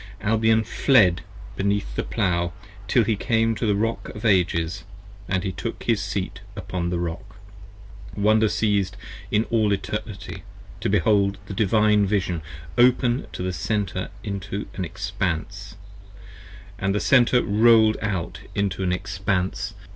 Albion fled beneath the Plow Till he came to the Rock of Ages, & he took his Seat upon the Rock. Wonder siez'd all in Eternity : to behold the Divine Vision open 18 The Center into an Expanse, & the Center rolled out into an Expanse.